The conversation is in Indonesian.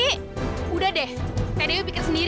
teteh udah deh teh dewi pikir sendiri